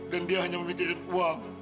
dan dia hanya memikirin uang